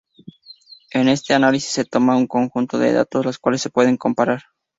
En este análisis, se toma un conjunto de datos los cuales se puedan comparar.